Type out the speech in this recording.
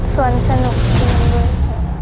สวนสนุกดรีมเวอร์ครับ